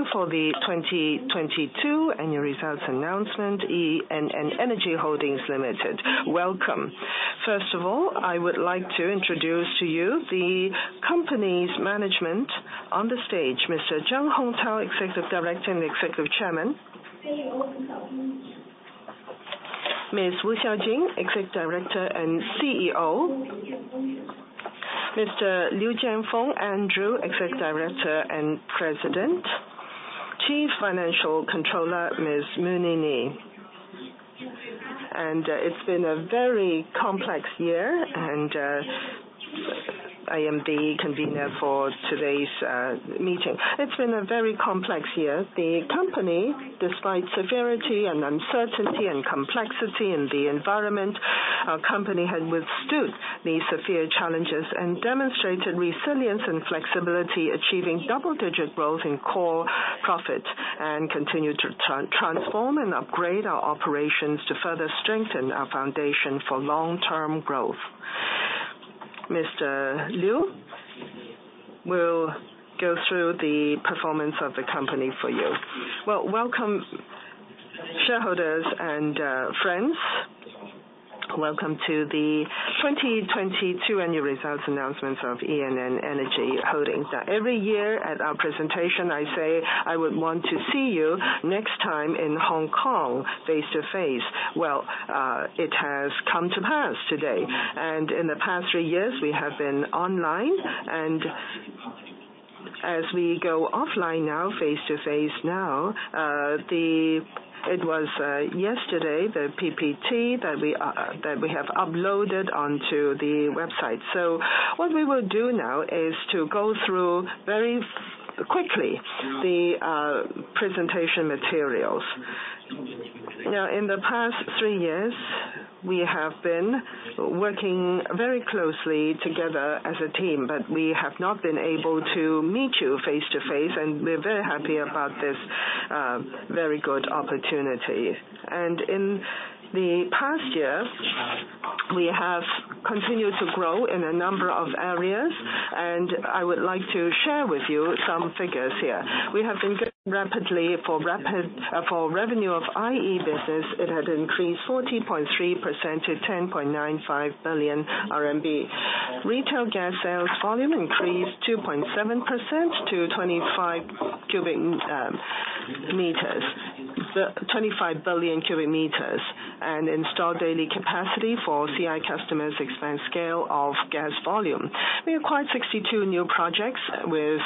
Thank you for the 2022 annual results announcement, ENN Energy Holdings Limited. Welcome. First of all, I would like to introduce to you the company's management on the stage. Mr. Zheng Hongtao, Executive Director and Executive Chairman. Ms. Wu Xiaojing, Executive Director and CEO. Mr. Liu Jianfeng Andrew, Executive Director and President. Chief Financial Controller, Ms. Mu Nini. It's been a very complex year and I am the convener for today's meeting. It's been a very complex year. The company, despite severity and uncertainty and complexity in the environment, our company has withstood the severe challenges and demonstrated resilience and flexibility, achieving double-digit growth in core profit. Continue to transform and upgrade our operations to further strengthen our foundation for long-term growth. Mr. Liu will go through the performance of the company for you. Welcome shareholders and friends. Welcome to the 2022 annual results announcements of ENN Energy Holdings. Every year at our presentation, I say I would want to see you next time in Hong Kong face-to-face. It has come to pass today, and in the past three years we have been online. As we go offline now, face-to-face now, it was yesterday, the PPT that we have uploaded onto the website. What we will do now is to go through very quickly the presentation materials. In the past three years, we have been working very closely together as a team, but we have not been able to meet you face-to-face, and we're very happy about this very good opportunity. In the past year, we have continued to grow in a number of areas, and I would like to share with you some figures here. We have been growing rapidly. For revenue of IE business, it had increased 40.3% to 10.95 billion RMB. Retail gas sales volume increased 2.7% to 25 billion cubic meters. Installed daily capacity for CI customers expanded scale of gas volume. We acquired 62 new projects with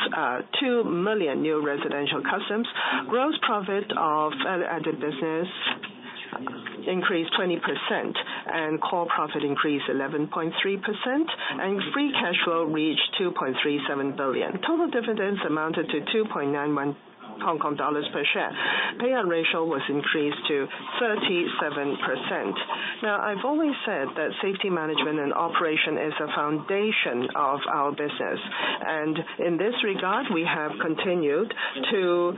2 million new residential customers. Gross profit of value-added business increased 20%, core profit increased 11.3%, and free cash flow reached 2.37 billion. Total dividends amounted to 2.91 Hong Kong dollars per share. Payout ratio was increased to 37%. Now, I've always said that safety management and operation is the foundation of our business. In this regard, we have continued to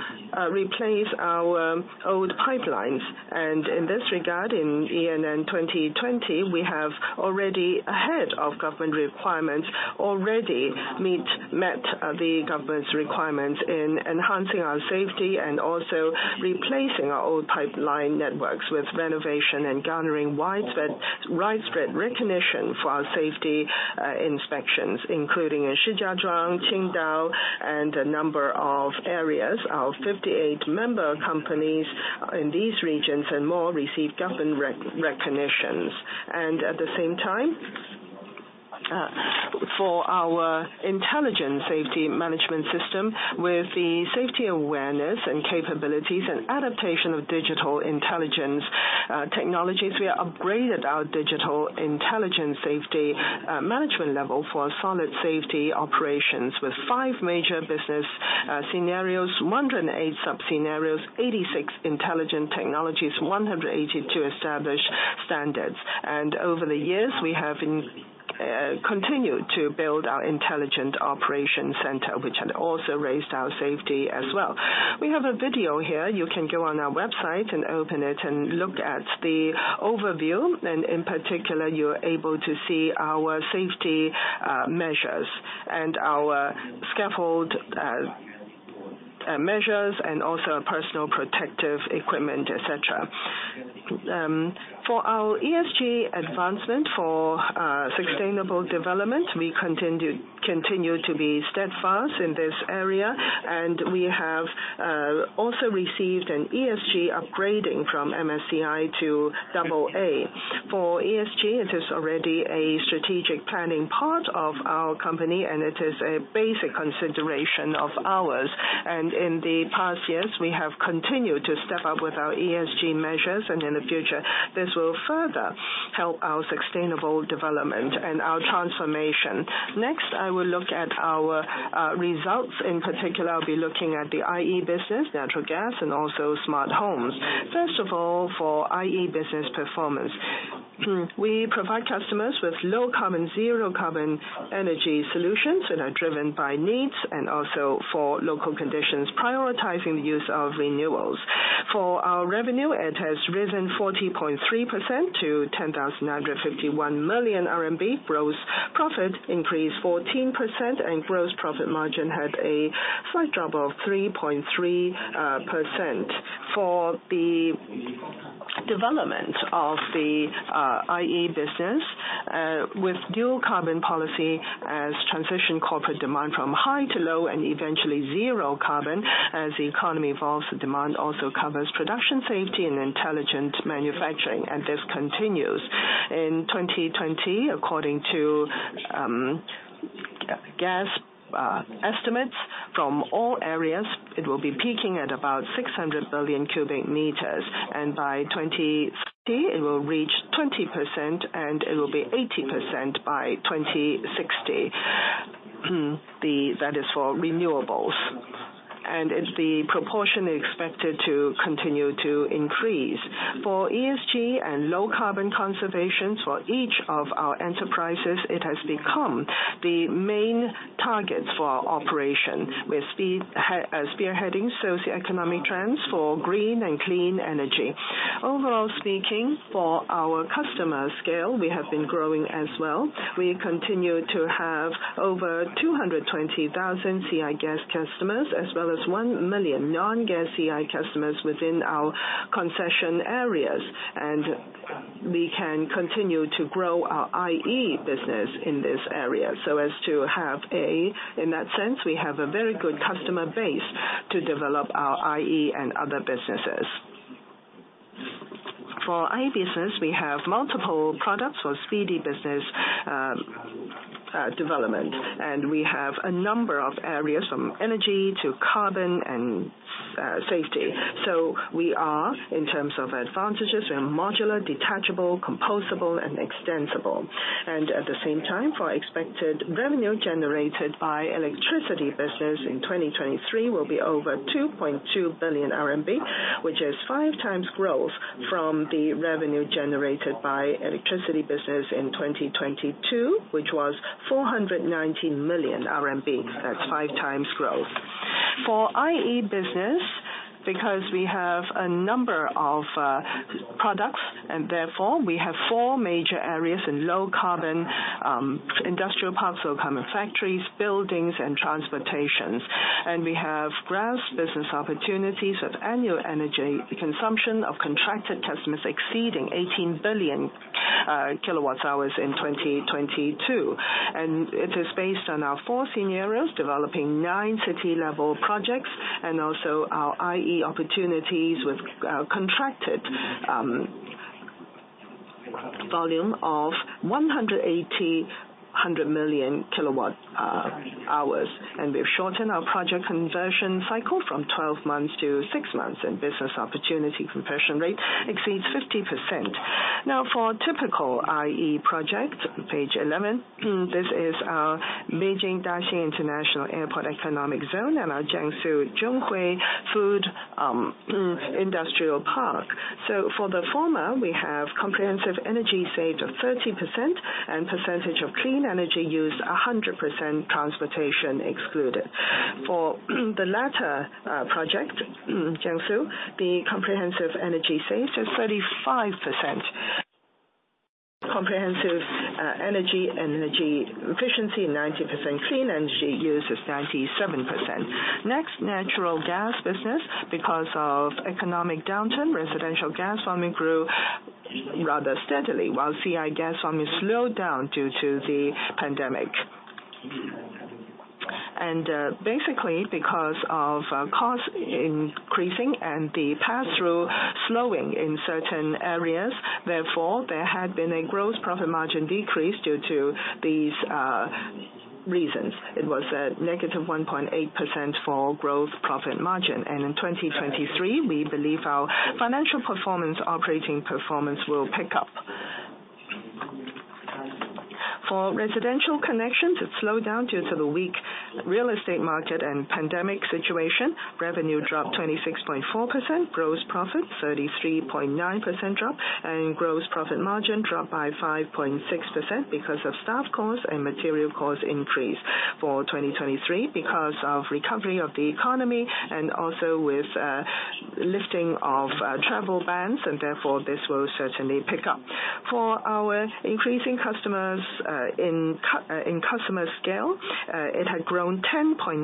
replace our old pipelines. In this regard, in ENN 2020, we have already, ahead of government requirements, already met the government's requirements in enhancing our safety and also replacing our old pipeline networks with renovation and garnering widespread recognition for our safety inspections, including in Shijiazhuang, Qingdao, and a number of areas. Our 58 member companies in these regions and more received government recognitions. At the same time, for our intelligent safety management system, with the safety awareness and capabilities and adaptation of digital intelligence technologies, we upgraded our digital intelligent safety management level for solid safety operations with five major business scenarios, 108 sub-scenarios, 86 intelligent technologies, 182 established standards. Over the years, we have continued to build our intelligent operations center, which had also raised our safety as well. We have a video here. You can go on our website and open it and look at the overview. In particular, you're able to see our safety measures and our scaffold measures and also personal protective equipment, et cetera. For our ESG advancement for sustainable development, we continue to be steadfast in this area. We have also received an ESG upgrading from MSCI to double A. For ESG, it is already a strategic planning part of our company, and it is a basic consideration of ours. In the past years, we have continued to step up with our ESG measures, and in the future, this will further help our sustainable development and our transformation. I will look at our results. In particular, I'll be looking at the IE business, natural gas, and also smart homes. For IE business performance. We provide customers with low carbon, zero carbon energy solutions that are driven by needs and also for local conditions, prioritizing the use of renewables. For our revenue, it has risen 40.3% to 10,951 million RMB. Gross profit increased 14%. Gross profit margin had a slight drop of 3.3%. Development of the IE business, with dual carbon policy as transition corporate demand from high to low and eventually zero carbon. As the economy evolves, the demand also covers production safety and intelligent manufacturing. This continues. In 2020, according to gas estimates from all areas, it will be peaking at about 600 billion cubic meters, and by 2030, it will reach 20%, and it will be 80% by 2060. That is for renewables. It's the proportion expected to continue to increase. For ESG and low carbon conservations, for each of our enterprises, it has become the main targets for our operation. We're spearheading socioeconomic trends for green and clean energy. Overall speaking, for our customer scale, we have been growing as well. We continue to have over 220,000 CI gas customers, as well as 1 million non-gas CI customers within our concession areas, and we can continue to grow our IE business in this area, so as to have a. In that sense, we have a very good customer base to develop our IE and other businesses. For IE business, we have multiple products for speedy business development, and we have a number of areas from energy to carbon and safety. We are, in terms of advantages, we are modular, detachable, composable, and extensible. At the same time, for expected revenue generated by electricity business in 2023 will be over 2.2 billion RMB, which is five times growth from the revenue generated by electricity business in 2022, which was 419 million RMB. That's five times growth. For IE business, because we have a number of products, and therefore we have four major areas in low carbon industrial parks or carbon factories, buildings and transportations. We have vast business opportunities with annual energy consumption of contracted customers exceeding 18 billion kWh in 2022. It is based on our four scenarios, developing nine city-level projects, and also our IE opportunities with contracted volume of 18 billion kWh. We've shortened our project conversion cycle from 12 months to six months, and business opportunity conversion rate exceeds 50%. Now, for typical IE project, page 11, this is our Beijing Daxing International Airport Economic Zone and our Jiangsu Zhonghui Food Industrial Park. For the former, we have comprehensive energy saved of 30% and percentage of clean energy used 100%, transportation excluded. For the latter project, Jiangsu, the comprehensive energy saved is 35%. Comprehensive energy and energy efficiency, 90% clean energy used is 97%. Next, natural gas business. Because of economic downturn, residential gas volume grew rather steadily, while C&I gas volume slowed down due to the pandemic. Basically, because of cost increasing and the pass-through slowing in certain areas, therefore, there had been a gross profit margin decrease due to these reasons. It was at negative 1.8% for gross profit margin. In 2023, we believe our financial performance, operating performance will pick up. For residential connections, it slowed down due to the weak real estate market and pandemic situation. Revenue dropped 26.4%, gross profit 33.9% drop, and gross profit margin dropped by 5.6% because of staff cost and material cost increase. For 2023, because of recovery of the economy and also with lifting of travel bans, this will certainly pick up. For our increasing customers, in customer scale, it had grown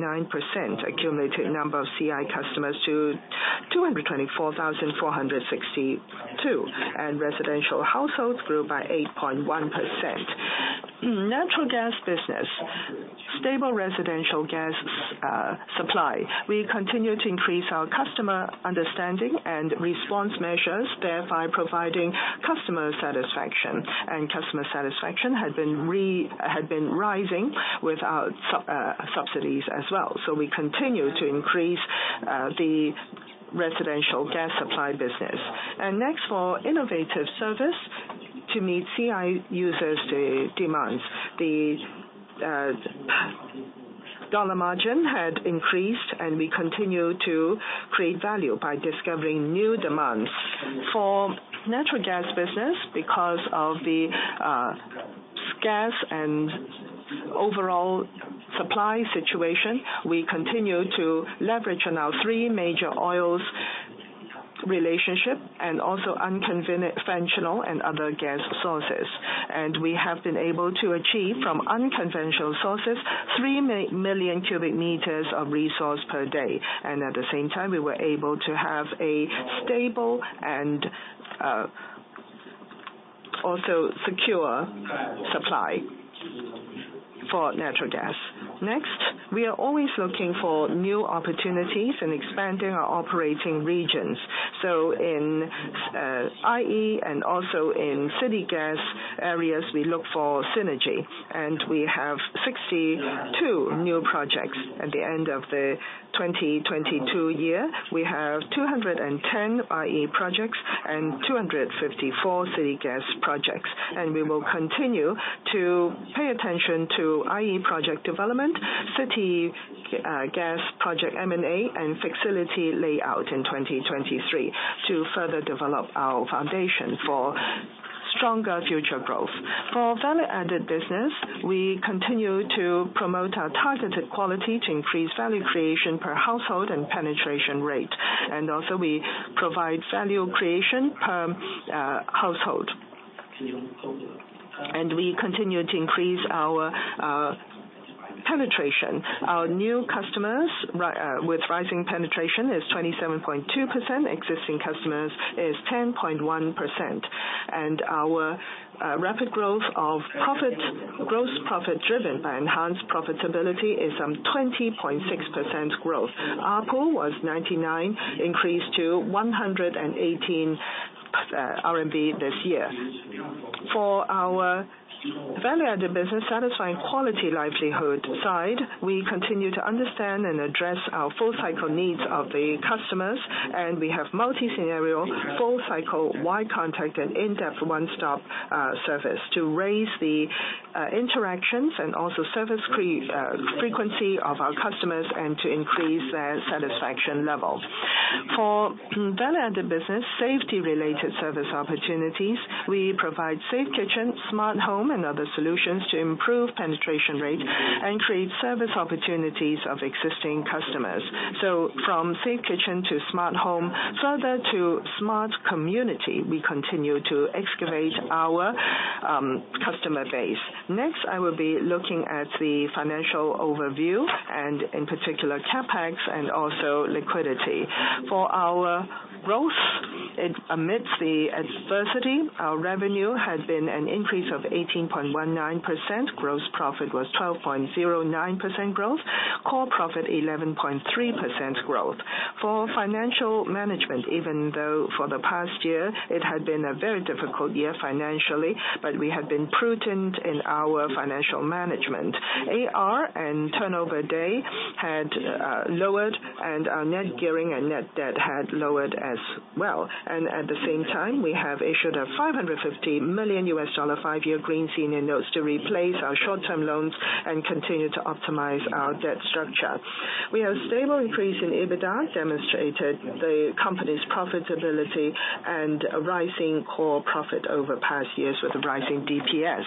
10.9% accumulated number of CI customers to 224,462, and residential households grew by 8.1%. Natural gas business. Stable residential gas supply. We continue to increase our customer understanding and response measures, thereby providing customer satisfaction. Customer satisfaction had been rising without subsidies as well. We continue to increase the residential gas supply business. Next, for innovative service to meet CI users' demands. The dollar margin had increased, and we continue to create value by discovering new demands. For natural gas business, because of the scarce and overall supply situation, we continue to leverage on our three oils relationship and also unconventional and other gas sources. We have been able to achieve, from unconventional sources, 3 million cubic meters of resource per day. At the same time, we were able to have a stable and also secure supply for natural gas. We are always looking for new opportunities in expanding our operating regions. So in IE and also in city gas areas, we look for synergy. We have 62 new projects at the end of the 2022 year. We have 210 IE projects and 254 city gas projects. We will continue to pay attention to IE project development, city gas project M&A, and facility layout in 2023 to further develop our foundation for stronger future growth. For value-added business, we continue to promote our targeted quality to increase value creation per household and penetration rate. Also we provide value creation per household. We continue to increase our penetration. Our new customers with rising penetration is 27.2%. Existing customers is 10.1%. Our rapid growth of gross profit driven by enhanced profitability is 20.6% growth. ARPU was 99, increased to RMB 118this year. For our value-added business satisfying quality livelihood side, we continue to understand and address our full cycle needs of the customers, we have multi-scenario, full cycle, wide contact, and in-depth one-stop service to raise the interactions and also service frequency of our customers and to increase their satisfaction levels. For value-added business safety-related service opportunities, we provide safe kitchen, smart home, and other solutions to improve penetration rate and create service opportunities of existing customers. From safe kitchen to smart home, further to smart community, we continue to excavate our customer base. Next, I will be looking at the financial overview and in particular CapEx and also liquidity. For our growth, amidst the adversity, our revenue has been an increase of 18.19%. Gross profit was 12.09% growth. Core profit, 11.3% growth. For financial management, even though for the past year it had been a very difficult year financially, we have been prudent in our financial management. AR and turnover day had lowered and our net gearing and net debt had lowered as well. At the same time, we have issued a $550 million 5-year green senior notes to replace our short-term loans and continue to optimize our debt structure. We have stable increase in EBITDA, demonstrated the company's profitability and a rising core profit over past years with a rising DPS.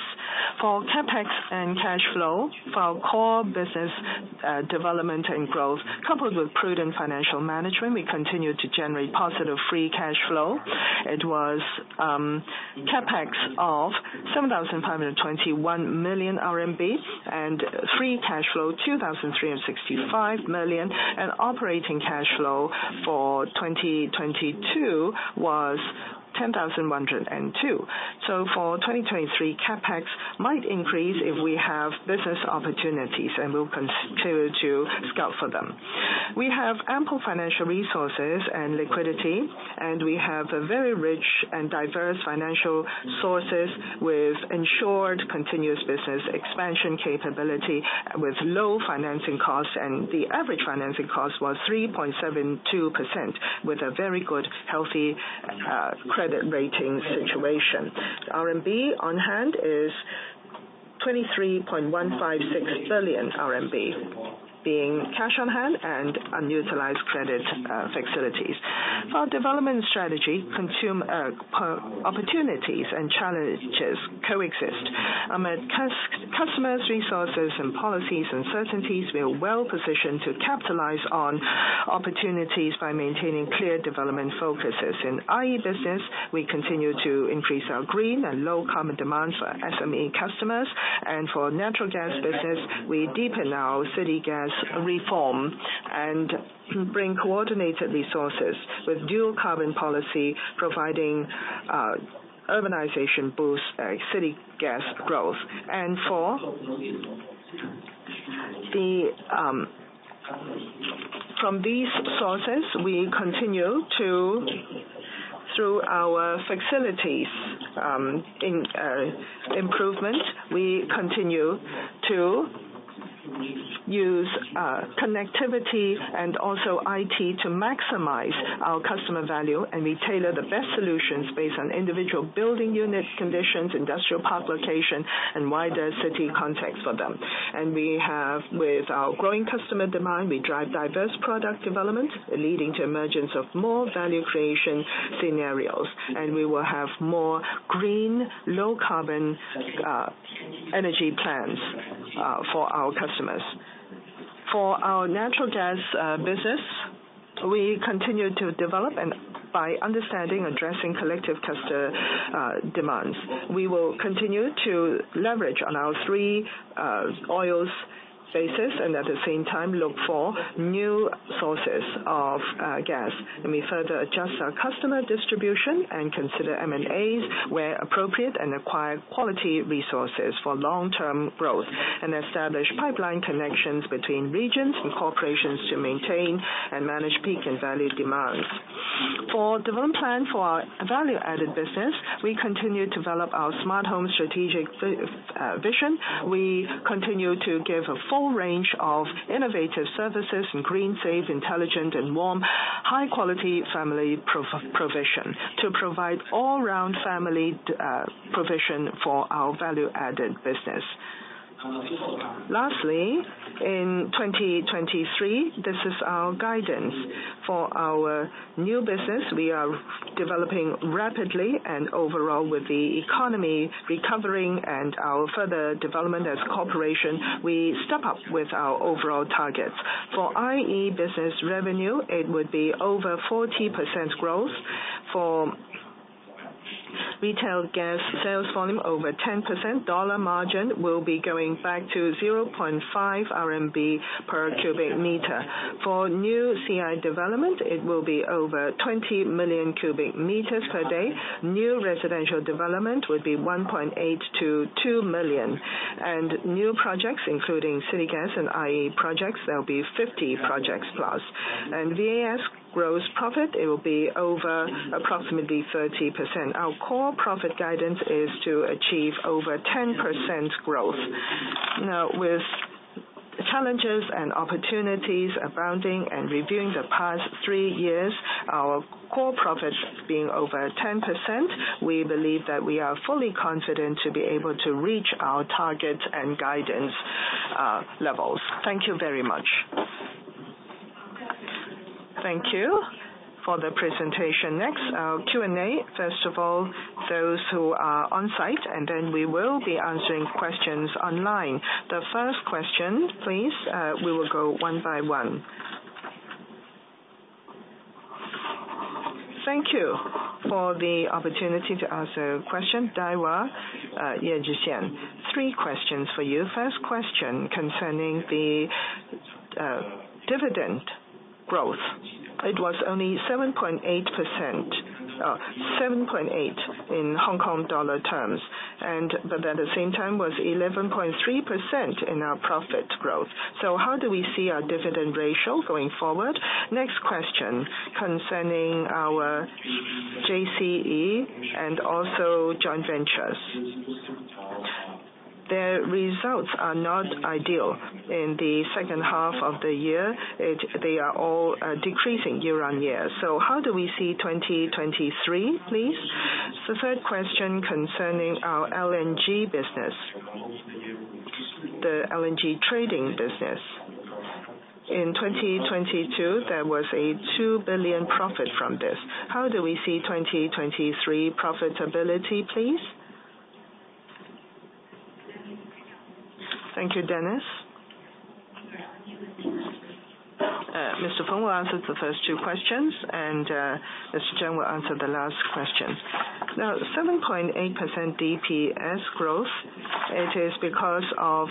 For CapEx and cash flow, for our core business, development and growth, coupled with prudent financial management, we continue to generate positive free cash flow. It was CapEx of 7,521 million RMB and free cash flow 2,365 million, and operating cash flow for 2022 was 10,102. For 2023, CapEx might increase if we have business opportunities, and we'll continue to scout for them. We have ample financial resources and liquidity, and we have a very rich and diverse financial sources with ensured continuous business expansion capability with low financing costs. The average financing cost was 3.72% with a very good, healthy credit rating situation. RMB on hand is 23.156 billion RMB, being cash on hand and unutilized credit facilities. For our development strategy, consume, opportunities and challenges coexist. Among customers' resources and policies uncertainties, we are well positioned to capitalize on opportunities by maintaining clear development focuses. In IE business, we continue to increase our green and low carbon demands for SME customers. For natural gas business, we deepen our city gas reform and bring coordinated resources with dual carbon policy, providing urbanization boost, city gas growth. From these sources, we continue to through our facilities, in improvement, we continue to use connectivity and also IT to maximize our customer value, and we tailor the best solutions based on individual building unit conditions, industrial park location, and wider city context for them. We have with our growing customer demand, we drive diverse product development, leading to emergence of more value creation scenarios. We will have more green, low carbon, energy plans for our customers. For our natural gas business, we continue to develop and by understanding, addressing collective customer demands. We will continue to leverage on our three oils, and at the same time, look for new sources of gas. Let me further adjust our customer distribution and consider M&A where appropriate and acquire quality resources for long-term growth, and establish pipeline connections between regions and corporations to maintain and manage peak and value demands. For development plan for our value-added business, we continue to develop our smart home strategic vision. We continue to give a full range of innovative services in green, safe, intelligent, and warm, high-quality family provision, to provide all-round family provision for our value-added business. Lastly, in 2023, this is our guidance. For our new business, we are developing rapidly. Overall, with the economy recovering and our further development as a corporation, we step up with our overall targets. For IE business revenue, it would be over 40% growth. For retail gas sales volume, over 10%. Dollar margin will be going back to 0.5 RMB per cubic meter. For new CI development, it will be over 20 million cubic meters per day. New residential development would be 1.8 million-2 million. New projects, including city gas and IE projects, there'll be 50+ projects. VAS gross profit, it will be over approximately 30%. Our core profit guidance is to achieve over 10% growth. With challenges and opportunities abounding and reviewing the past three years, our core profits being over 10%, we believe that we are fully confident to be able to reach our targets and guidance levels. Thank you very much. Thank you for the presentation. Our Q&A. First of all, those who are on-site. Then we will be answering questions online. The first question, please, we will go one by one. Thank you for the opportunity to ask a question. Daiwa, Dennis Ip. Three questions for you. First question concerning the dividend growth. It was only 7.8 in Hong Kong dollar terms, but at the same time was 11.3% in our profit growth. How do we see our dividend ratio going forward? Next question concerning our JCE and also joint ventures. Their results are not ideal in the second half of the year. They are all decreasing year-over-year. How do we see 2023, please? The third question concerning our LNG business, the LNG trading business. In 2022, there was a 2 billion profit from this. How do we see 2023 profitability, please? Thank you, Dennis. Mr. Feng will answer the first two questions and Mr. Cheung will answer the last question. 7.8% DPS growth, it is because of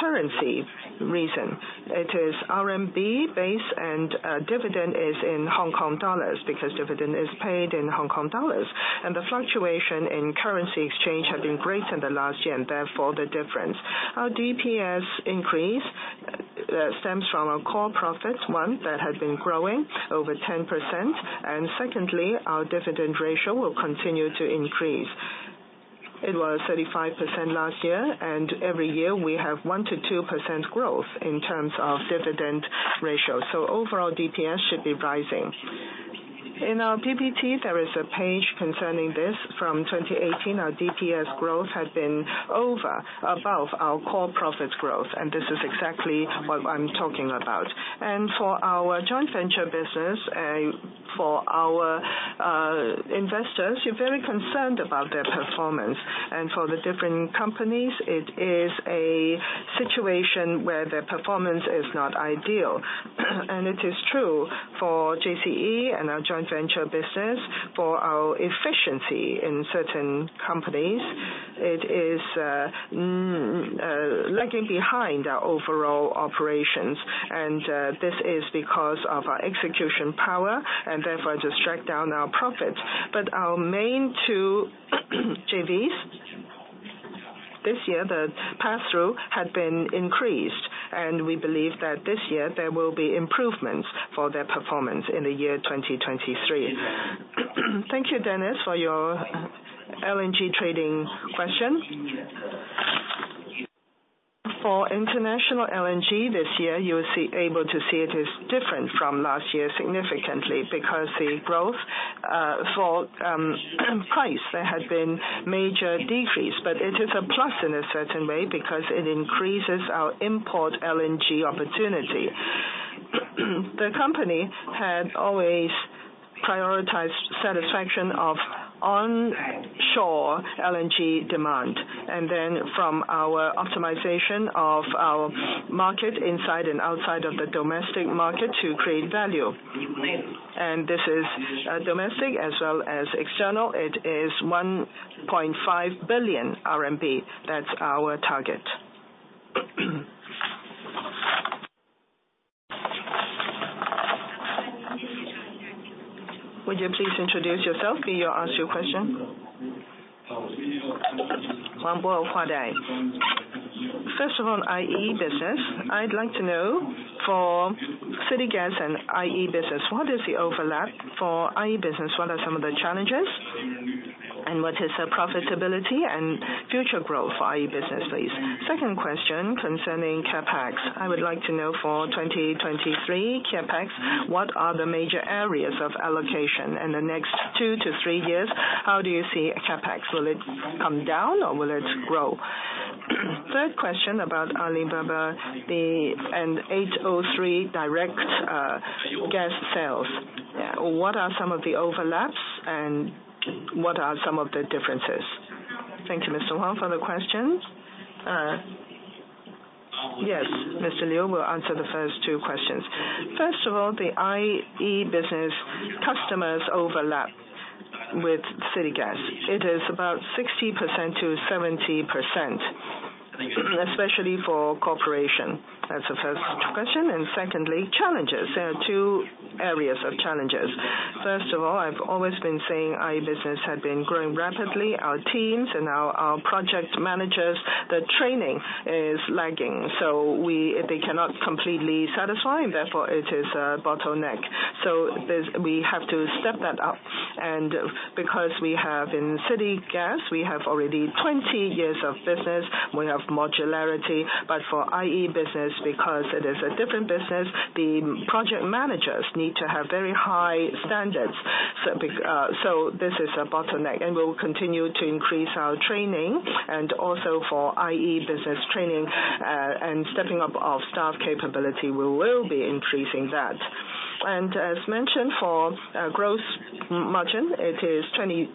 currency reason. It is RMB base, and dividend is in Hong Kong dollars because dividend is paid in Hong Kong dollars. The fluctuation in currency exchange have been great in the last year and, therefore, the difference. Our DPS increase stems from our core profits, one, that has been growing over 10%. Secondly, our dividend ratio will continue to increase. It was 35% last year. Every year we have 1%-2% growth in terms of dividend ratio. Overall, DPS should be rising. In our PPT, there is a page concerning this. From 2018, our DPS growth had been over above our core profit growth. This is exactly what I'm talking about. For our joint venture business and for our investors, you're very concerned about their performance. For the different companies, it is a situation where their performance is not ideal. It is true for JCE and our joint venture business, for our efficiency in certain companies, it is lagging behind our overall operations, and this is because of our execution power and therefore just strike down our profits. Our main two JVs this year, the pass-through had been increased, and we believe that this year there will be improvements for their performance in the year 2023. Thank you, Dennis, for your LNG trading question. For international LNG this year, able to see it is different from last year significantly because the growth for price, there had been major decrease. It is a plus in a certain way because it increases our import LNG opportunity. The company had always prioritized satisfaction of onshore LNG demand, and then from our optimization of our market inside and outside of the domestic market to create value. This is domestic as well as external. It is 1.5 billion RMB. That's our target. Would you please introduce yourself before you ask your question? First of all, IE business. I'd like to know for city gas and IE business, what is the overlap for IE business? What are some of the challenges, and what is the profitability and future growth for IE business, please? Second question concerning CapEx. I would like to know for 2023 CapEx, what are the major areas of allocation in the next two to three years? How do you see CapEx? Will it come down or will it grow? Third question about Alibaba, and 803 direct gas sales. What are some of the overlaps and what are some of the differences? Thank you, Mr. Huang, for the questions. Yes. Mr. Liu will answer the first two questions. First of all, the IE business customers overlap with city gas. It is about 60%-70%, especially for corporation. That's the first question. Secondly, challenges. There are two areas of challenges. First of all, I've always been saying IE business had been growing rapidly. Our teams and our project managers, the training is lagging, so they cannot completely satisfy and therefore it is a bottleneck. We have to step that up. Because we have in city gas, we have already 20 years of business, we have modularity. For IE business, because it is a different business, the project managers need to have very high standards. This is a bottleneck and we will continue to increase our training and also for IE business training and stepping up our staff capability, we will be increasing that. As mentioned, for growth margin, it is 20%.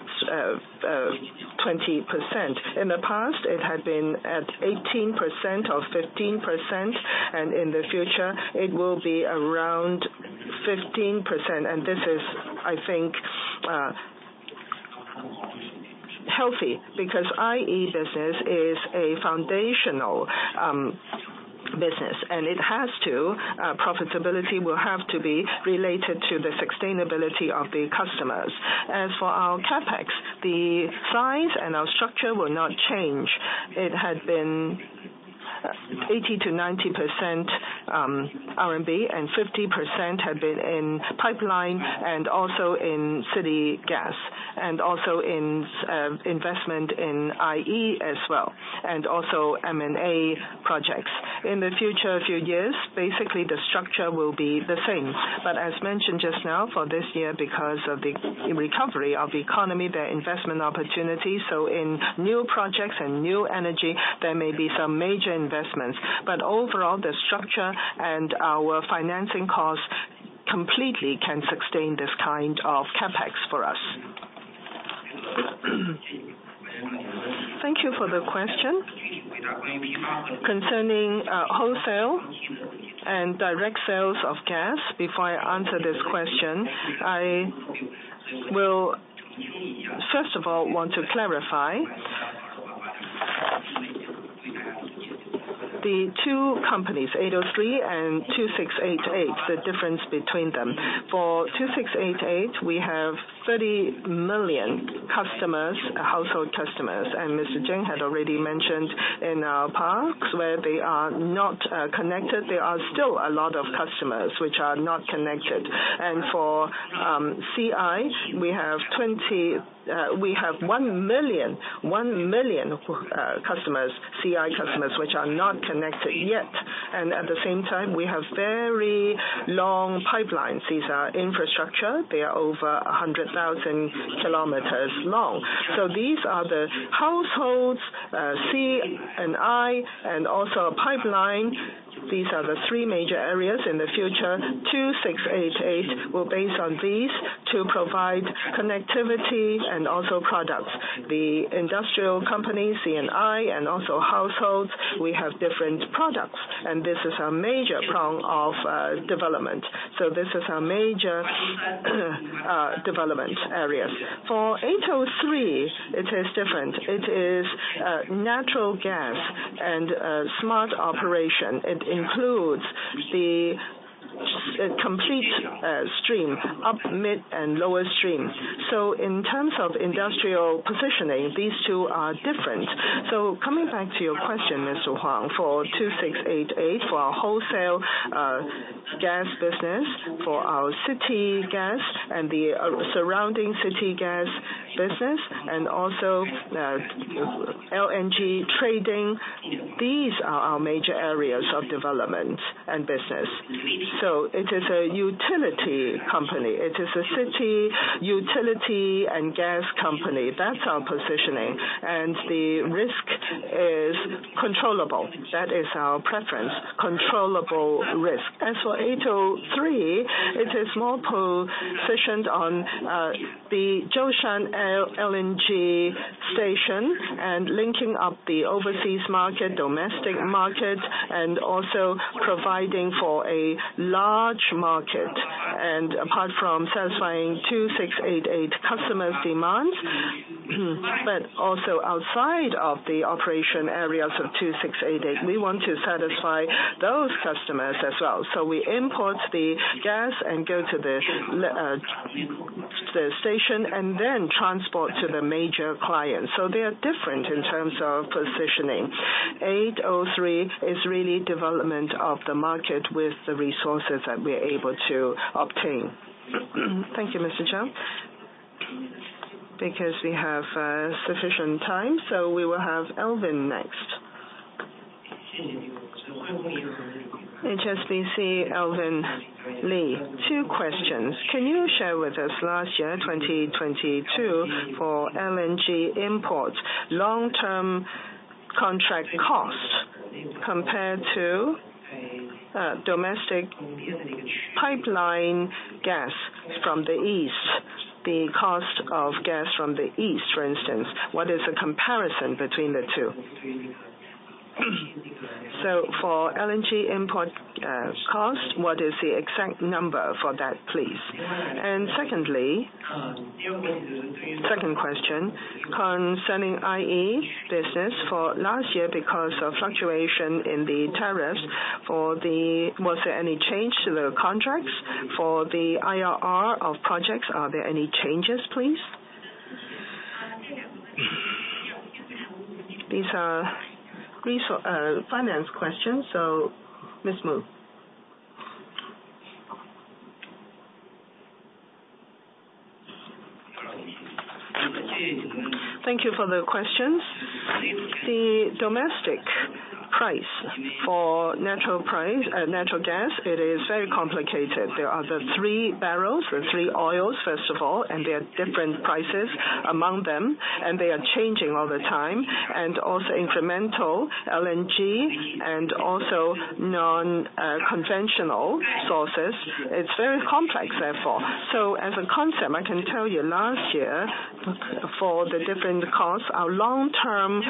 In the past, it had been at 18% or 15%, in the future it will be around 15%. This is, I think, healthy because IE business is a foundational business, profitability will have to be related to the sustainability of the customers. As for our CapEx, the size and our structure will not change. It had been 80%-90% RMB, 50% had been in pipeline and also in city gas and also in investment in IE as well, M&A projects. In the future few years, basically the structure will be the same. As mentioned just now, for this year, because of the recovery of the economy, there are investment opportunities, so in new projects and new energy there may be some major investments. Overall, the structure and our financing costs completely can sustain this kind of CapEx for us. Thank you for the question. Concerning wholesale and direct sales of gas, before I answer this question, I will first of all want to clarify the two companies, 600803 and 2688, the difference between them. For 2688, we have 30 million customers, household customers. Mr. Jiang had already mentioned in our parks where they are not connected, there are still a lot of customers which are not connected. For C&I, we have 1 million customers, C&I customers, which are not connected yet. At the same time, we have very long pipelines. These are infrastructure. They are over 100,000 km long. These are the households, C&I, and also pipeline. These are the three major areas in the future. 2688 will base on these to provide connectivity and also products. The industrial companies, C&I, and also households, we have different products and this is a major prong of development. This is our major development area. For 803, it is different. It is natural gas and smart operation. It includes the complete stream: up, mid, and lower stream. In terms of industrial positioning, these two are different. Coming back to your question, Mr.Huang, for 2688, for our wholesale gas business, for our city gas and the surrounding city gas business and also LNG trading, these are our major areas of development and business. It is a utility company. It is a city utility and gas company. That's our positioning. The risk is controllable. That is our preference, controllable risk. As for 803, it is more positioned on the Zhoushan LNG station and linking up the overseas market, domestic market. Apart from satisfying 2688 customers' demands, but also outside of the operation areas of 2688, we want to satisfy those customers as well. We import the gas and go to the station and then transport to the major clients. They are different in terms of positioning. 803 is really development of the market with the resources that we're able to obtain. Thank you, Mr. Cheung. We have sufficient time. We will have Evan Li next. HSBC, Evan Li. Two questions. Can you share with us last year, 2022, for LNG imports, long-term contract costs compared to domestic pipeline gas from the east. The cost of gas from the east, for instance, what is the comparison between the two? For LNG import cost, what is the exact number for that, please? Secondly, second question, concerning IE business for last year because of fluctuation in the tariff for the, was there any change to the contracts? For the IRR of projects, are there any changes, please? These are finance questions. Ms. Mu. Thank you for the questions. The domestic price for natural gas, it is very complicated. There are the three barrels, the three oils, first of all. There are different prices among them. They are changing all the time. Also incremental LNG and also non-conventional sources. It's very complex, therefore. As a concept, I can tell you last year, for the different costs, our long-term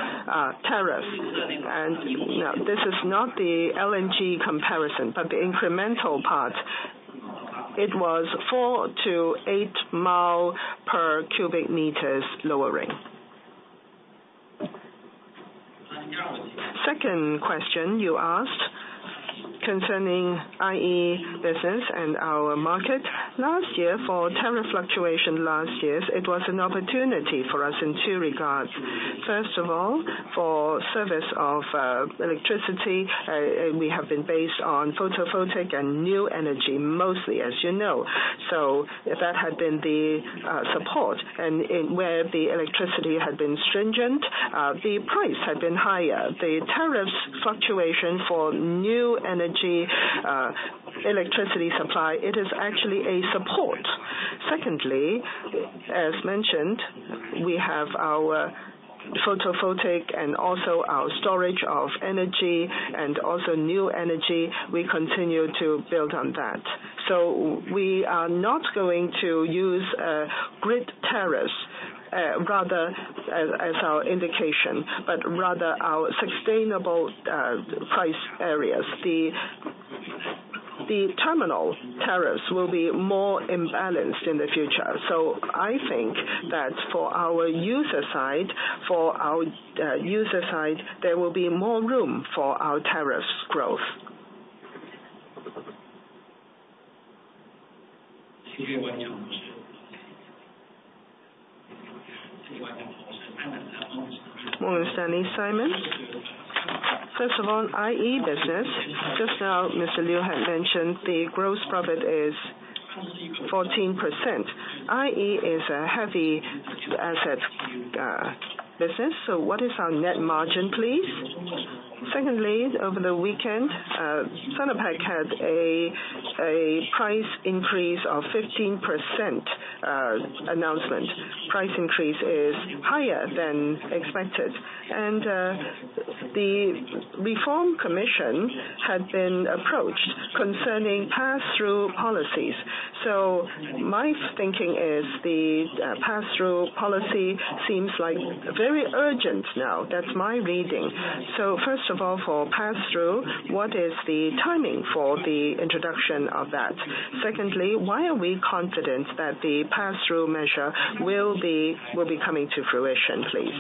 tariff, and no, this is not the LNG comparison, but the incremental part, it was 4 million-8 million per cubic meters lowering. Second question you asked concerning IE business and our market. Last year, for tariff fluctuation, it was an opportunity for us in two regards. First of all, for service of electricity, we have been based on photovoltaic and new energy, mostly, as you know. That had been the support and where the electricity had been stringent, the price had been higher. The tariff fluctuation for new energy electricity supply, it is actually a support. Secondly, as mentioned, we have our photovoltaic and also our storage of energy and also new energy. We continue to build on that. We are not going to use a grid tariff, rather as our indication, but rather our sustainable price areas. The terminal tariffs will be more imbalanced in the future. I think that for our user side, for our user side, there will be more room for our tariffs growth. Morning, Stanley, Simon. First of all, IE business. Just now, Mr. Liu had mentioned the gross profit is 14%. IE is a heavy asset business, what is our net margin, please? Secondly, over the weekend, SunEdison had a price increase of 15% announcement. Price increase is higher than expected. The Reform Commission had been approached concerning pass-through policies. My thinking is the pass-through policy seems like very urgent now. That's my reading. First of all, for pass-through, what is the timing for the introduction of that? Secondly, why are we confident that the pass-through measure will be coming to fruition, please?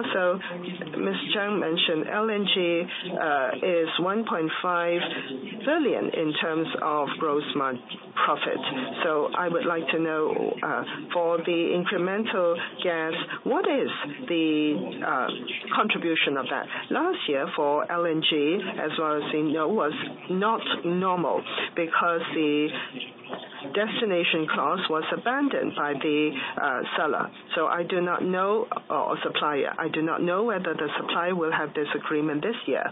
Also, Mr. Cheung mentioned LNG is $1.5 billion in terms of gross profit. I would like to know for the incremental gas, what is the contribution of that? Last year for LNG, as well as you know, was not normal because the destination cost was abandoned by the seller. I do not know. Or supplier. I do not know whether the supplier will have this agreement this year.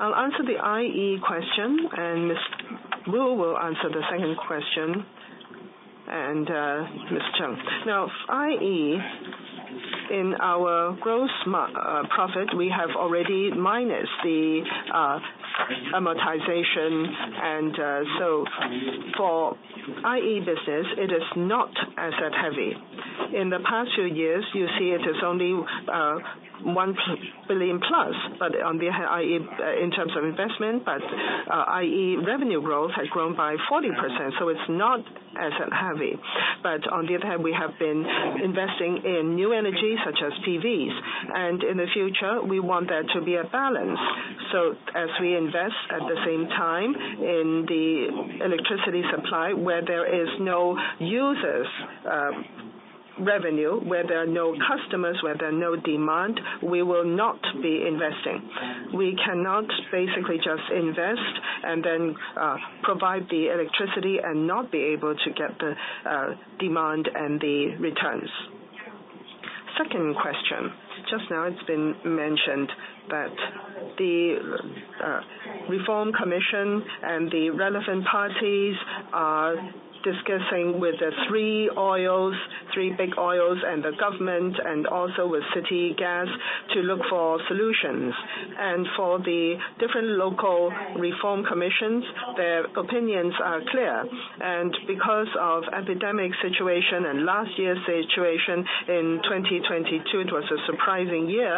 I'll answer the IE question and Mr. Wu will answer the second question and Mr. Cheung. IE, in our gross profit, we have already minus the amortization and so for IE business, it is not asset-heavy. In the past two years, you see it is only 1 billion-plus, but on the IE in terms of investment. IE revenue growth has grown by 40%, so it's not asset-heavy. On the other hand, we have been investing in new energy, such as PVs, and in the future, we want there to be a balance. As we invest, at the same time, in the electricity supply where there is no users' revenue, where there are no customers, where there are no demand, we will not be investing. We cannot basically just invest and then provide the electricity and not be able to get the demand and the returns. Second question, just now it's been mentioned that the Reform Commission and the relevant parties are discussing with the three oils, three big oils and the government and also with city gas to look for solutions. For the different local Reform Commissions, their opinions are clear. Because of epidemic situation and last year's situation, in 2022, it was a surprising year.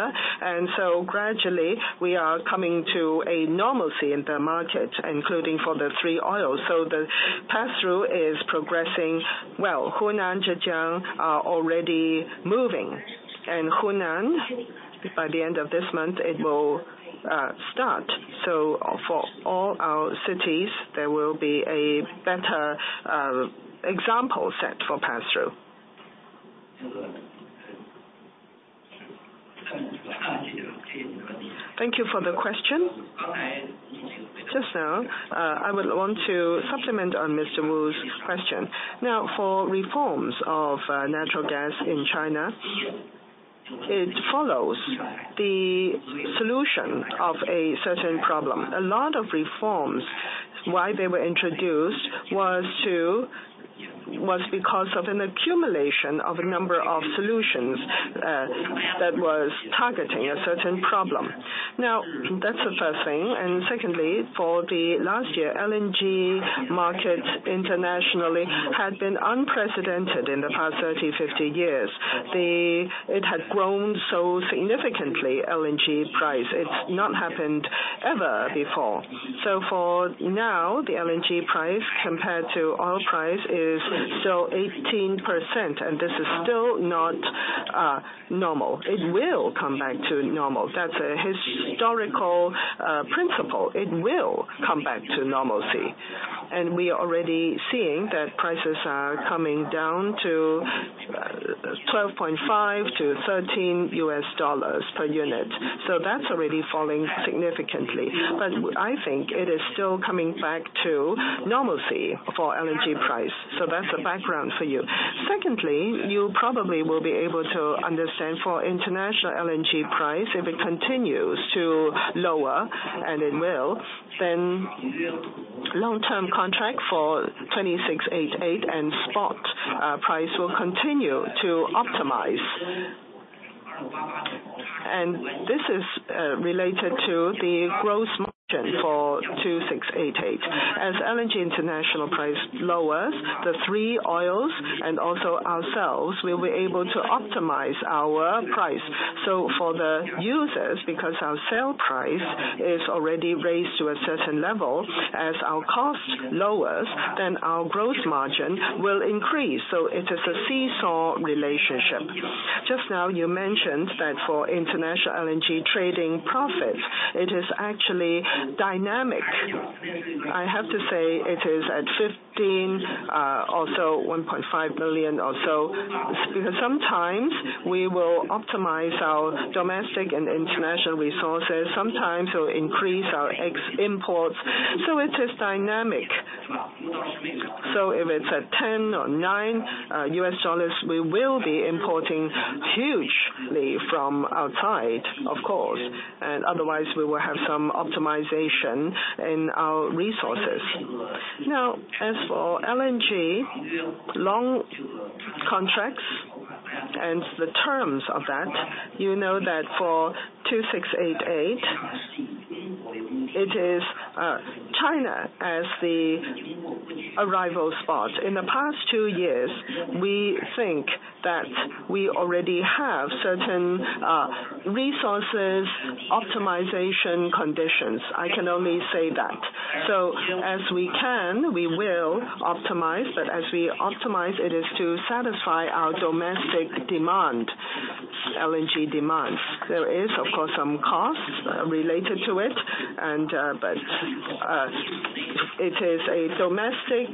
Gradually, we are coming to a normalcy in the market, including for the three oils. The pass-through is progressing well. Hunan, Zhejiang are already moving. In Hunan, by the end of this month, it will start. For all our cities, there will be a better example set for pass-through. Thank you for the question. Just now, I would want to supplement on Mr. Wu's question. For reforms of natural gas in China, it follows the solution of a certain problem. A lot of reforms, why they were introduced was because of an accumulation of a number of solutions that was targeting a certain problem. That's the first thing. Secondly, for the last year, LNG market internationally had been unprecedented in the past 30, 50 years. It had grown so significantly, LNG price. It's not happened ever before. For now, the LNG price compared to oil price is still 18%, and this is still not normal. It will come back to normal. That's a historical principle. It will come back to normalcy. We are already seeing that prices are coming down to $12.5-$13 per unit. That's already falling significantly. I think it is still coming back to normalcy for LNG price. That's the background for you. Secondly, you probably will be able to understand for international LNG price, if it continues to lower, and it will, long-term contract for 2688 and spot price will continue to optimize. This is related to the gross margin for 2688. As LNG international price lowers, the three oils and also ourselves will be able to optimize our price. For the users, because our sale price is already raised to a certain level, as our cost lowers, our gross margin will increase. It is a seesaw relationship. Just now, you mentioned that for international LNG trading profits, it is actually dynamic. I have to say it is at $15, or so, $1.5 billion or so, because sometimes we will optimize our domestic and international resources, sometimes we'll increase our ex imports, so it is dynamic. If it's at $10 or $9, we will be importing hugely from outside, of course, and otherwise we will have some optimization in our resources. As for LNG long contracts and the terms of that, you know that for 2688, it is China as the arrival spot. In the past two years, we think that we already have certain resources optimization conditions. I can only say that. As we can, we will optimize, but as we optimize, it is to satisfy our domestic demand, LNG demands. There is, of course, some costs related to it, but it is a domestic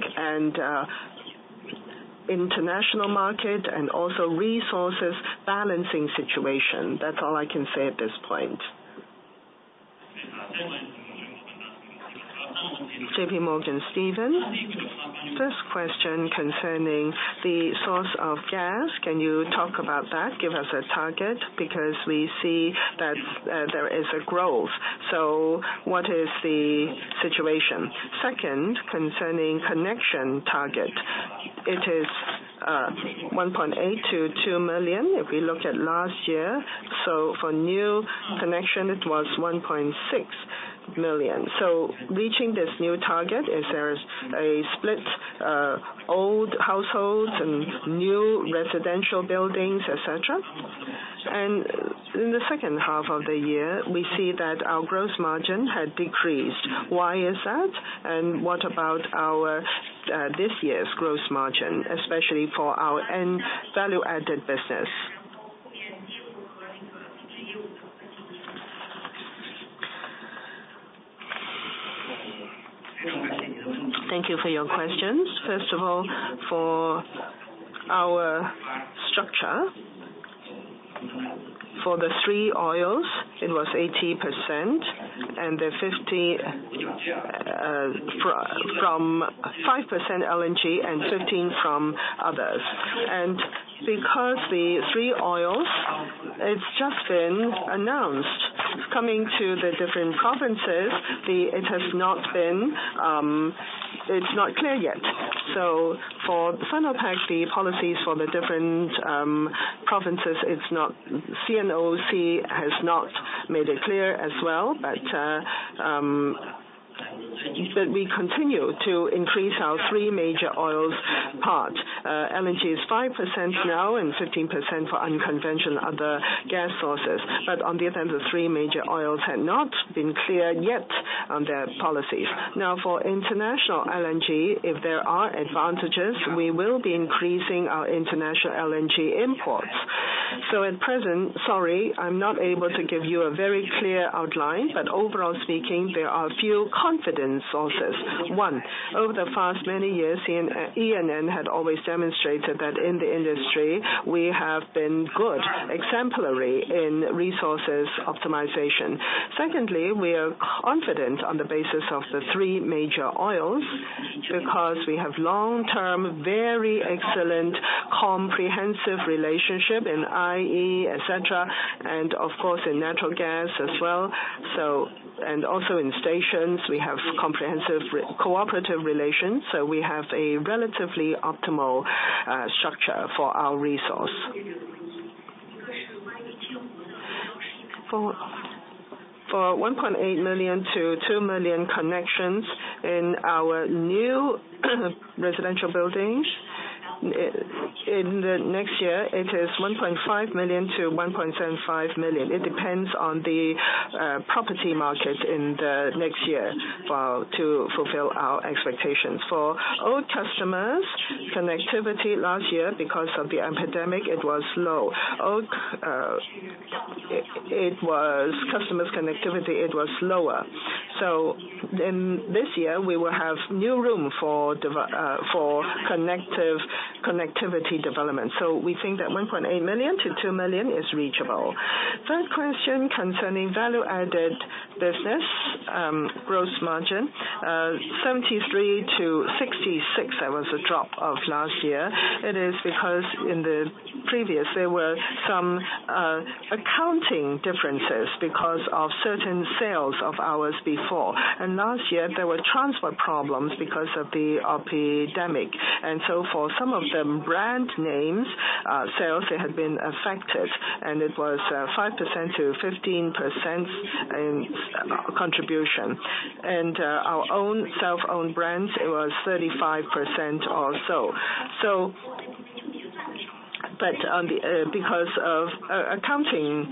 and international market and resources balancing situation. That's all I can say at this point. JPMorgan, Stephen. First question concerning the source of gas. Can you talk about that? Give us a target, because we see that there is a growth. What is the situation? Second, concerning connection target. It is 1.8 million-2 million if we look at last year. For new connection, it was 1.6 million. Reaching this new target, is there a split, old households and new residential buildings, et cetera? In the second half of the year, we see that our gross margin had decreased. Why is that? What about our this year's gross margin, especially for our ENN value-added business? Thank you for your questions. First of all, for our structure, for the three oils, it was 80% and from 5% LNG and 15 from others. Because the three oils, it's just been announced. Coming to the different provinces, it has not been clear yet. For final pack, the policies for the different provinces, CNOOC has not made it clear as well. We continue to increase our three major oils part. LNG is 5% now and 15% for unconventional other gas sources. On the other hand, the three major oils had not been cleared yet on their policies. For international LNG, if there are advantages, we will be increasing our international LNG imports. At present, sorry, I'm not able to give you a very clear outline. Overall speaking, there are few confident sources. One, over the past many years, ENN had always demonstrated that in the industry we have been good, exemplary in resources optimization. Secondly, we are confident on the basis of the three major oils because we have long-term, very excellent comprehensive relationship in IE, et cetera, and of course in natural gas as well. Also in stations, we have comprehensive cooperative relations, so we have a relatively optimal structure for our resource. For 1.8 million-2 million connections in our new residential buildings, in the next year it is 1.5 million-1.75 million. It depends on the property market in the next year to fulfill our expectations. For old customers, connectivity last year, because of the epidemic, it was low. Old, it was customers connectivity, it was lower. In this year we will have new room for connectivity development. We think that 1.8 million-2 million is reachable. Third question concerning value-added business, gross margin, 73%-66%, there was a drop of last year. It is because in the previous there were some accounting differences because of certain sales of ours before. Last year there were transport problems because of the epidemic. For some of the brand names, sales, they had been affected, and it was 5%-15% in contribution. Our own self-owned brands, it was 35% or so. On the because of accounting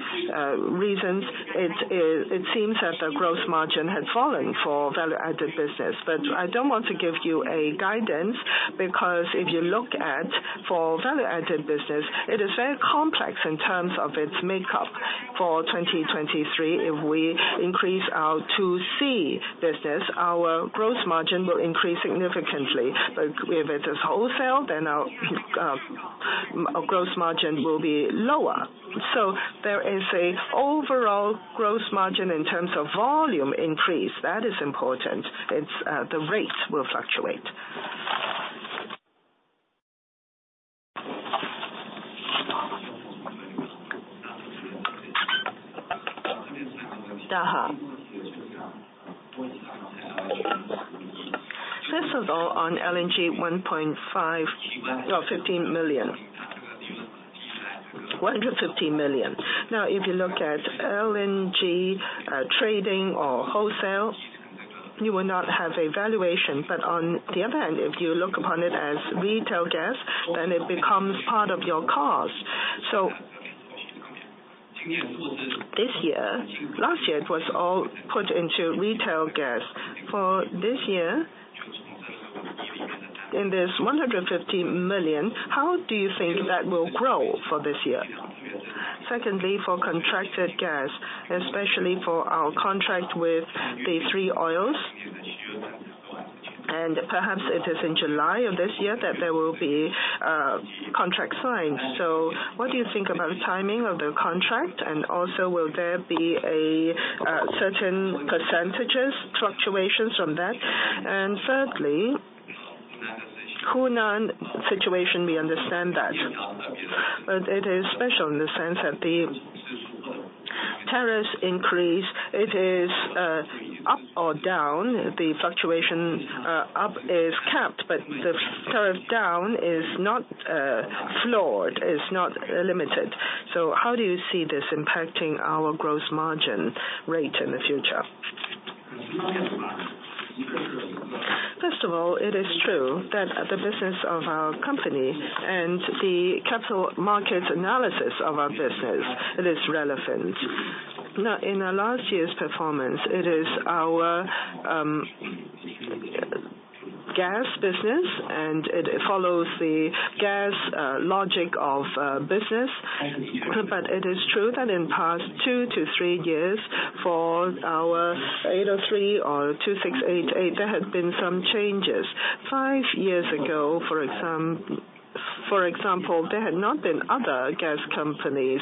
reasons, it seems that the gross margin had fallen for value-added business. I don't want to give you a guidance, because if you look at for value-added business, it is very complex in terms of its makeup. For 2023, if we increase our 2C business, our gross margin will increase significantly. If it is wholesale, then our gross margin will be lower. There is a overall gross margin in terms of volume increase. That is important. It's, the rates will fluctuate. First of all, on LNG, RMB 150 million. If you look at LNG trading or wholesale, you will not have a valuation. On the other hand, if you look upon it as retail gas, then it becomes part of your cost. Last year it was all put into retail gas. For this year, in this 150 million, how do you think that will grow for this year? Secondly, for contracted gas, especially for our contract with the three oils, perhaps it is in July of this year that there will be a contract signed. What do you think about the timing of the contract? Will there be a certain % fluctuations from that? Thirdly, Hunan situation, we understand that. It is special in the sense that the tariffs increase, it is up or down, the fluctuation, up is capped, but the tariff down is not floored, is not limited. How do you see this impacting our gross margin rate in the future? First of all, it is true that the business of our company and the capital markets analysis of our business, it is relevant. In our last year's performance, it is our gas business, and it follows the gas logic of business. It is true that in past two to three years, for our 803 or 2688, there have been some changes. Five years ago, for example, there had not been other gas companies.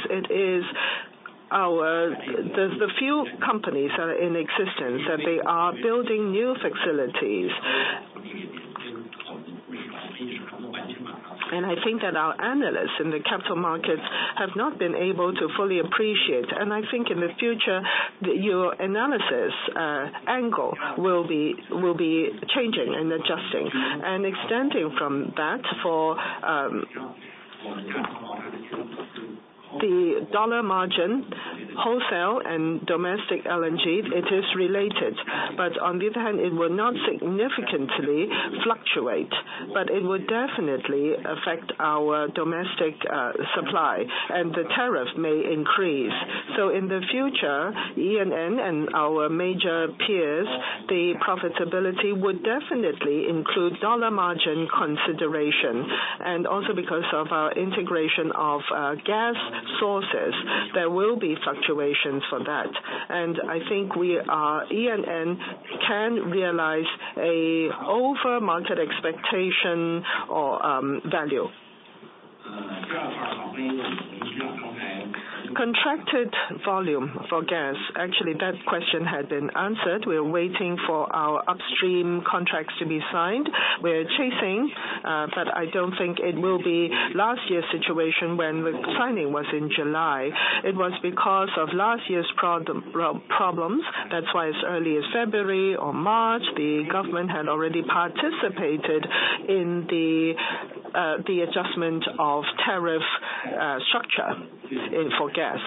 The few companies that are in existence, that they are building new facilities. I think that our analysts in the capital markets have not been able to fully appreciate. I think in the future, your analysis angle will be changing and adjusting. Extending from that, for the dollar margin, wholesale and domestic LNG, it is related. On the other hand, it will not significantly fluctuate, but it will definitely affect our domestic supply, and the tariff may increase. In the future, ENN and our major peers, the profitability would definitely include dollar margin consideration. Also because of our integration of gas sources, there will be fluctuations for that. I think ENN can realize an over-market expectation or value. Contracted volume for gas, actually, that question had been answered. We are waiting for our upstream contracts to be signed. We're chasing, but I don't think it will be last year's situation when the signing was in July. It was because of last year's problems. As early as February or March, the government had already participated in the adjustment of tariff structure in, for gas.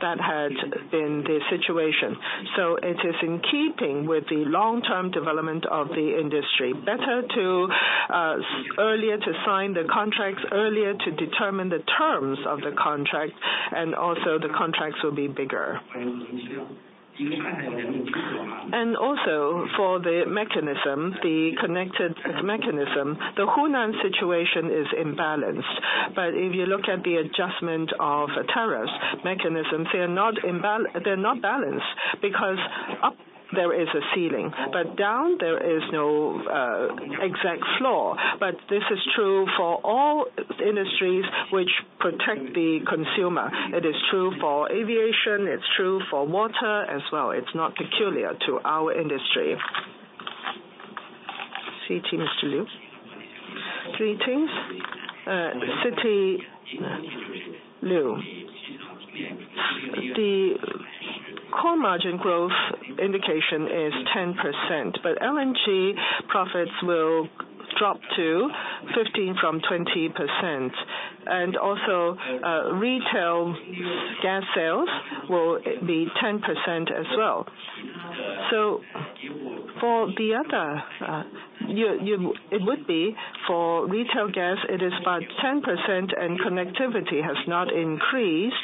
That had been the situation. It is in keeping with the long-term development of the industry. Better to earlier to sign the contracts, earlier to determine the terms of the contract, the contracts will be bigger. For the mechanism, the connected mechanism, the Hunan situation is imbalanced. If you look at the adjustment of tariff mechanisms, they are not balanced, because up there is a ceiling, but down there is no exact floor. This is true for all industries which protect the consumer. It is true for aviation, it's true for water as well. It's not peculiar to our industry. Greetings to you. Greetings, Citi, Lau. The core margin growth indication is 10%, but LNG profits will drop to 15% from 20%. Retail gas sales will be 10% as well. For the other, it would be for retail gas, it is about 10%, and connectivity has not increased.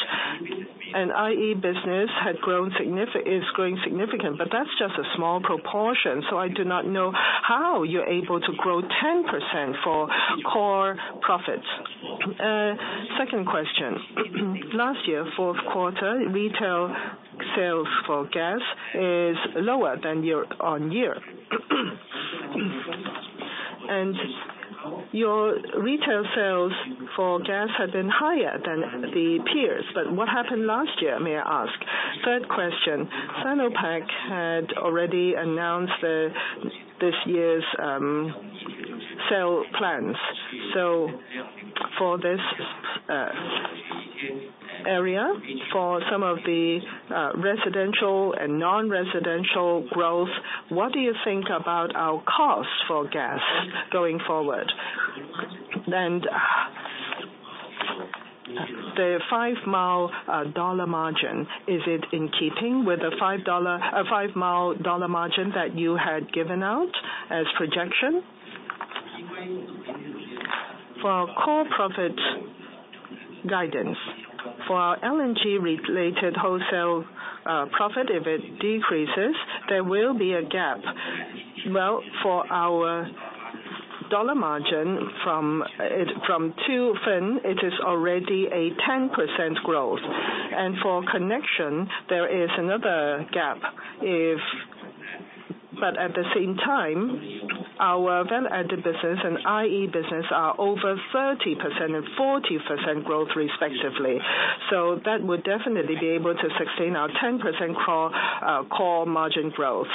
IE business is growing significantly, but that's just a small proportion. I do not know how you're able to grow 10% for core profits. Second question. Last year, fourth quarter, retail sales for gas is lower than your year-over-year. Your retail sales for gas have been higher than the peers. What happened last year, may I ask? Third question. Sinopec had already announced the, this year's, sale plans. For this area, for some of the residential and non-residential growth, what do you think about our cost for gas going forward? The five mile dollar margin, is it in keeping with the five mile dollar margin that you had given out as projection? For our core profit guidance, for our LNG-related wholesale profit, if it decreases, there will be a gap. Well, for our dollar margin from 0.02, it is already a 10% growth. For connection, there is another gap. At the same time, our value-added business and IE business are over 30% and 40% growth respectively. That would definitely be able to sustain our 10% core core margin growth.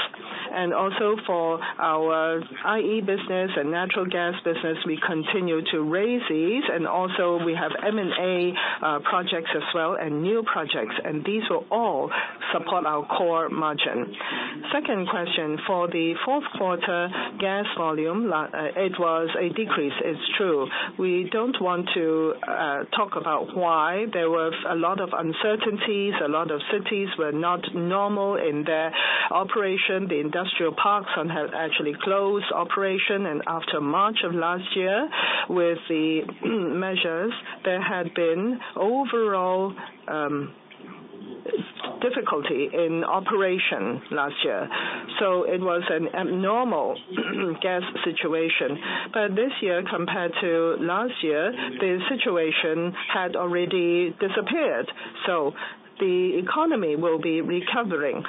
For our IE business and natural gas business, we continue to raise these. We have M&A projects as well and new projects, and these will all support our core margin. Second question, for the fourth quarter gas volume, it was a decrease, it's true. We don't want to talk about why. There was a lot of uncertainties. A lot of cities were not normal in their operation, the industrial parks have actually closed operation. After March of last year, with the measures, there had been overall difficulty in operation last year. It was an abnormal gas situation. This year, compared to last year, the situation had already disappeared. The economy will be recovering.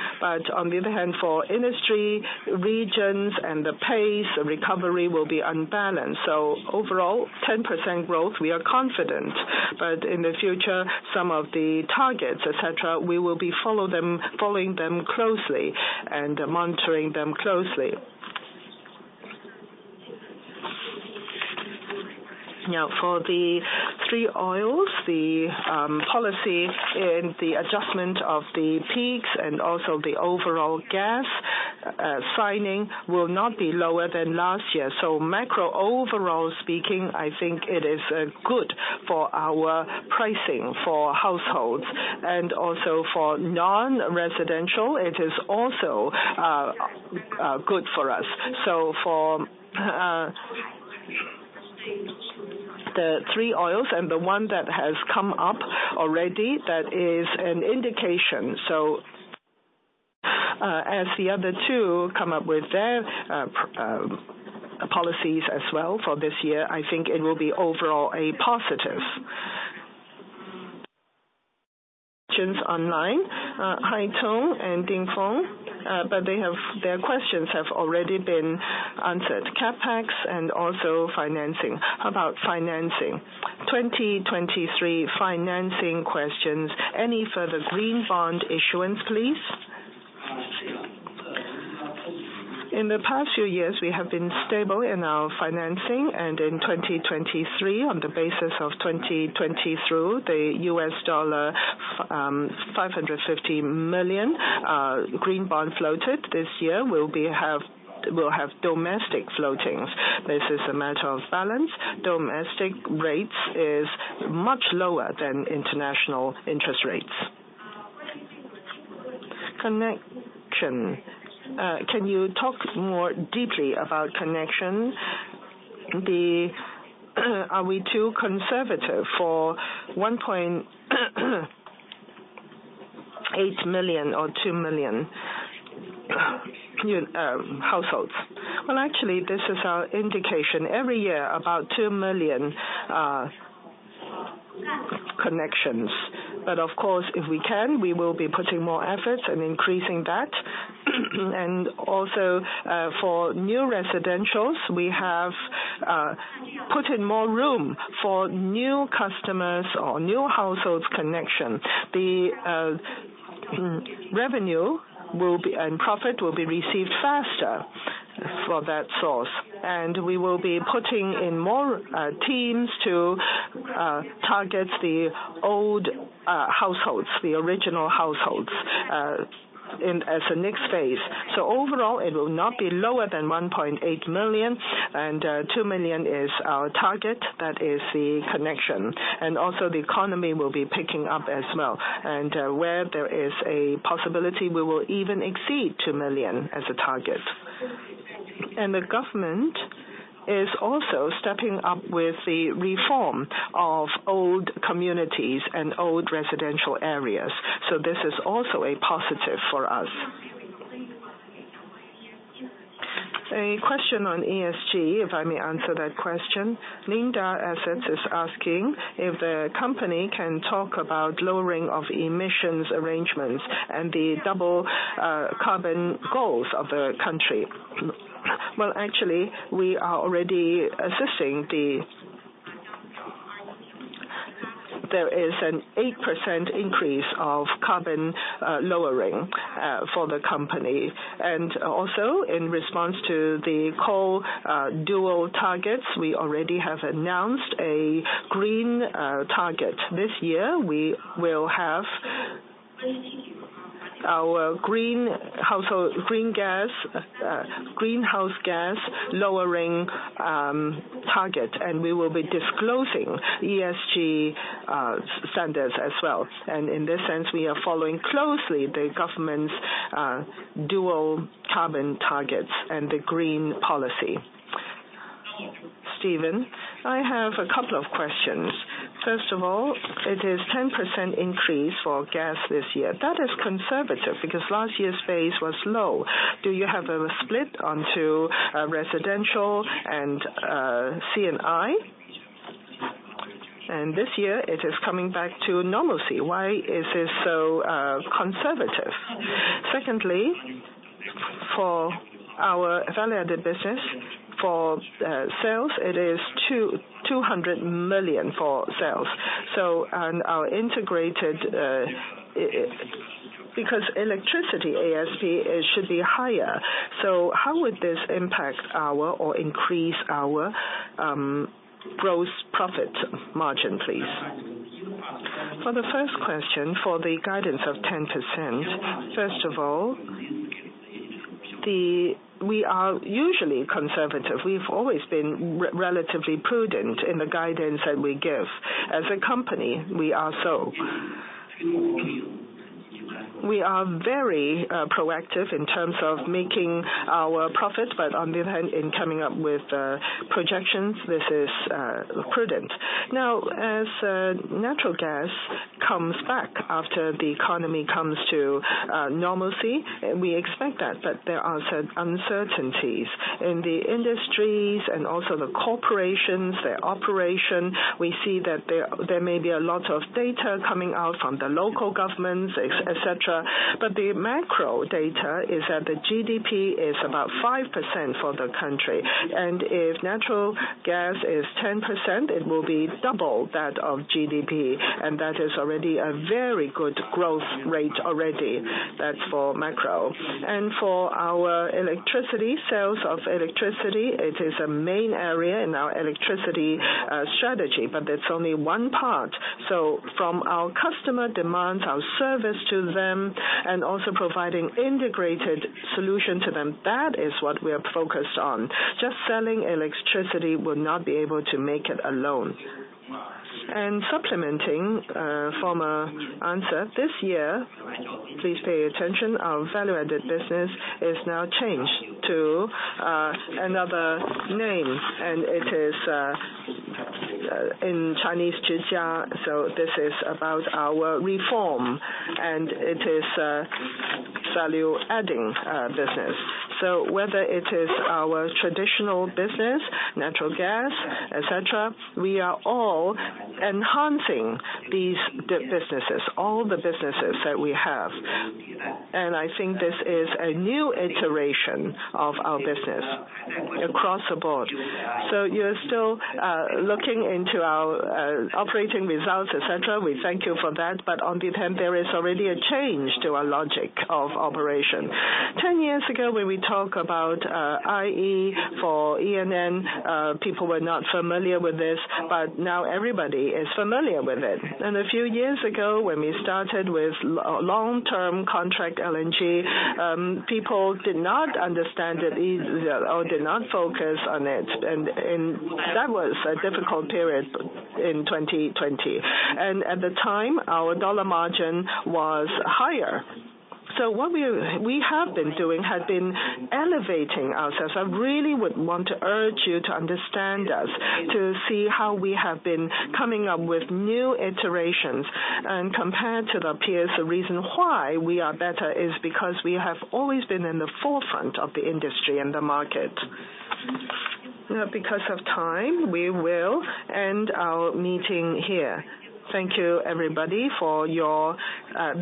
On the other hand, for industry, regions, and the pace of recovery will be unbalanced. Overall, 10% growth, we are confident. In the future, some of the targets, et cetera, we will be following them closely and monitoring them closely. For the three oils, the policy and the adjustment of the peaks and also the overall gas signing will not be lower than last year. Macro overall speaking, I think it is good for our pricing for households. Also for non-residential, it is also good for us. For the three oils and the one that has come up already, that is an indication. As the other two come up with their policies as well for this year, I think it will be overall a positive. Online, Haitong and Dingfeng, their questions have already been answered. CapEx and also financing. How about financing? 2023 financing questions. Any further green bond issuance, please? In the past few years, we have been stable in our financing. In 2023, on the basis of 2020 through the U.S. dollar, $550 million green bond floated. This year will have domestic floatings. This is a matter of balance. Domestic rates is much lower than international interest rates. Connection. Can you talk more deeply about connection? Are we too conservative for 1.8 million or 2 million new households? Well, actually, this is our indication. Every year, about 2 million connections. Of course, if we can, we will be putting more efforts and increasing that. Also, for new residentials, we have put in more room for new customers or new households connection. The revenue and profit will be received faster for that source. We will be putting in more teams to target the old households, the original households, in as a next phase. Overall, it will not be lower than 1.8 million, and 2 million is our target. That is the connection. Also, the economy will be picking up as well. Where there is a possibility, we will even exceed 2 million as a target. The government is also stepping up with the reform of old communities and old residential areas. This is also a positive for us. A question on ESG, if I may answer that question. Linda Assets is asking if the company can talk about lowering of emissions arrangements and the dual carbon goals of the country. Well, actually, we are already assessing the. There is an 8% increase of carbon lowering for the company. In response to the coal dual targets, we already have announced a green target. This year, we will have our green household, green gas, greenhouse gas lowering target, and we will be disclosing ESG standards as well. In this sense, we are following closely the government's dual carbon targets and the green policy. Stephen, I have a couple of questions. First of all, it is 10% increase for gas this year. That is conservative because last year's phase was low. Do you have a split onto residential and C&I? This year, it is coming back to normalcy. Why is it so conservative? Secondly, for our value-added business, for sales, it is 200 million for sales on our integrated. Because electricity ASP, it should be higher. How would this impact our or increase our gross profit margin, please? For the first question, for the guidance of 10%. First of all, we are usually conservative. We've always been relatively prudent in the guidance that we give. As a company, we are so. We are very proactive in terms of making our profits, on the other hand, in coming up with projections, this is prudent. As natural gas comes back after the economy comes to normalcy, we expect that, but there are uncertainties in the industries and also the corporations, their operation. We see that there may be a lot of data coming out from the local governments, et cetera. The macro data is that the GDP is about 5% for the country. If natural gas is 10%, it will be double that of GDP, and that is already a very good growth rate already. That's for macro. For our electricity, sales of electricity, it is a main area in our electricity strategy, but that's only one part. From our customer demands, our service to them, and also providing integrated solution to them, that is what we are focused on. Just selling electricity will not be able to make it alone. Supplementing former answer, this year, please pay attention, our value-added business is now changed to another name, and it is in Chinese, Zhìjiā. This is about our reform, and it is value-adding business. Whether it is our traditional business, natural gas, et cetera, we are all enhancing these businesses, all the businesses that we have. I think this is a new iteration of our business across the board. You're still looking into our operating results, et cetera. We thank you for that. On the other hand, there is already a change to our logic of operation. 10 years ago, when we talk about IE for ENN, people were not familiar with this, but now everybody is familiar with it. A few years ago, when we started with long-term contract LNG, people did not understand it or did not focus on it. That was a difficult period in 2020. At the time, our dollar margin was higher. What we have been doing has been elevating ourselves. I really would want to urge you to understand us, to see how we have been coming up with new iterations. Compared to the peers, the reason why we are better is because we have always been in the forefront of the industry and the market. Now, because of time, we will end our meeting here. Thank you everybody for your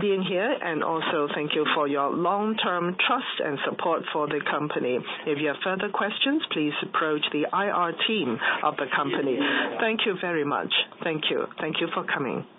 being here and also thank you for your long-term trust and support for the company. If you have further questions, please approach the IR team of the company. Thank you very much. Thank you. Thank you for coming.